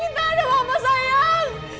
intan ada apa sayang